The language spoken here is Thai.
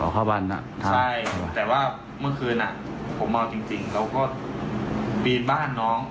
อ๋อเข้าบ้านน่ะใช่แต่ว่าเมื่อคืนอ่ะผมเมาจริงแล้วก็ปีนบ้านน้อง